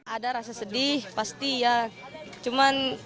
ada rasa sedih pasti ya cuman